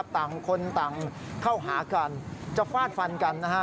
ต่างคนต่างเข้าหากันจะฟาดฟันกันนะฮะ